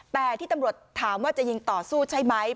แต่ที่ตำรวจถามว่าจะยิงต่อสู้ใช่ไหม